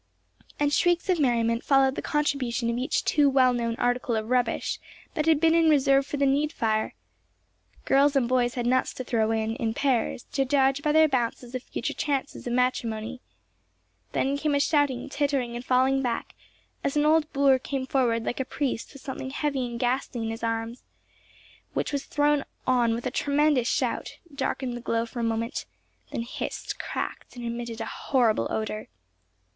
And shrieks of merriment followed the contribution of each too well known article of rubbish that had been in reserve for the Needfire! Girls and boys had nuts to throw in, in pairs, to judge by their bounces of future chances of matrimony. Then came a shouting, tittering, and falling back, as an old boor came forward like a priest with something heavy and ghastly in his arms, which was thrown on with a tremendous shout, darkened the glow for a moment, then hissed, cracked, and emitted a horrible odour.